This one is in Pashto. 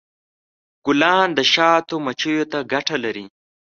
ګلان د شاتو مچیو ته ګټه لري.